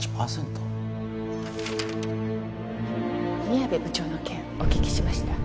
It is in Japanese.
宮部部長の件お聞きしました。